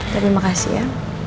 terima kasih ya